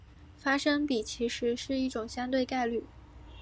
发生比其实是一种相对概率。